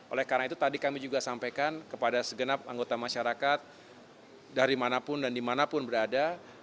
oleh karena itu tadi kami juga sampaikan kepada segenap anggota masyarakat dari manapun dan dimanapun berada